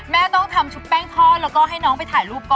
ต้องทำชุบแป้งทอดแล้วก็ให้น้องไปถ่ายรูปก่อน